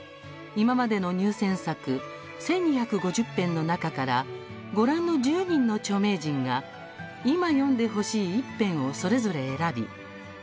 今までの入選作１２５０編の中からご覧の１０人の著名人が今読んでほしい１編をそれぞれ選び１０